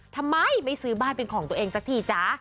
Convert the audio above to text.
ทำไมไม่ซื้อบ้านเป็นของตัวเองสักทีจ๊ะ